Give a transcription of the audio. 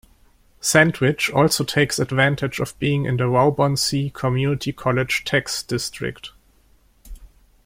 Sandwich also takes advantage of being in the Waubonsee Community College tax district.